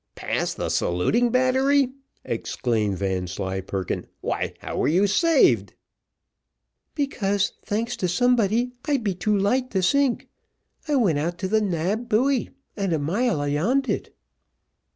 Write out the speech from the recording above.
"Past the saluting battery?" exclaimed Vanslyperken, "why, how were you saved?" "Because, thanks to somebody, I be too light to sink. I went out to the Nab buoy, and a mile ayond it."